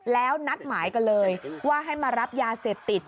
แล้วนัดหมายกันเลยว่าให้มารับยาเสพติด